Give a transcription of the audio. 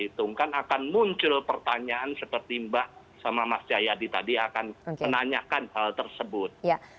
itu kan akan muncul pertanyaan seperti mbak sama mas jayadi tadi akan menanyakan hal tersebut